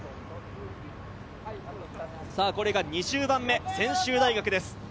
２０番目、専修大学です。